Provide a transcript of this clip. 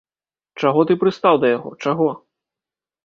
Чаго ты прыстаў да яго, чаго?